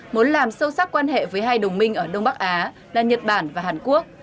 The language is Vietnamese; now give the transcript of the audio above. muốn làm sâu sắc quan hệ với hai đồng minh ở đông bắc á là nhật bản và hàn quốc